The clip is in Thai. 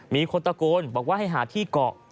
มีคนตะโกนบอกว่าให้หาที่เกาะ